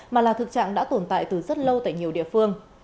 mà là thực trạng đã tồn tại từ rất lâu tại nhiều địa phương